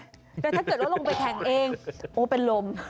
แต่ถ้าเกิดว่าลงไปแข่งเองโอ้เป็นลม